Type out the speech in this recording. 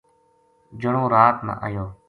جنو رات نا اَیو